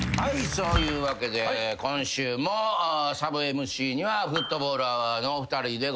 そういうわけで今週もサブＭＣにはフットボールアワーのお二人でございます。